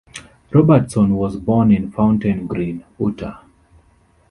Robertson was born in Fountain Green, Utah.